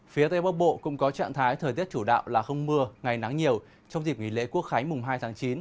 phía tây bắc bộ cũng có trạng thái thời tiết chủ đạo là không mưa ngày nắng nhiều trong dịp nghỉ lễ quốc khánh mùng hai tháng chín